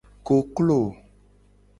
Koklo.